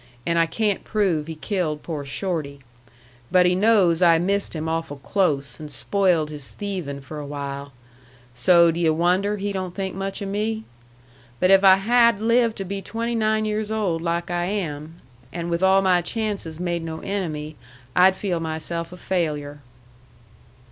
And I can't prove he killed poor Shorty. But he knows I missed him awful close, and spoiled his thieving for a while. So d' yu' wonder he don't think much of me? But if I had lived to be twenty nine years old like I am, and with all my chances made no enemy, I'd feel myself a failure."